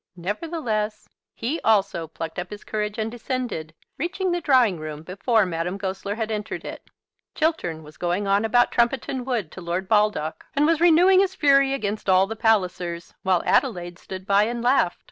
Nevertheless, he also plucked up his courage and descended, reaching the drawing room before Madame Goesler had entered it. Chiltern was going on about Trumpeton Wood to Lord Baldock, and was renewing his fury against all the Pallisers, while Adelaide stood by and laughed.